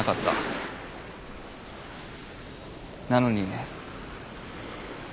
なのに。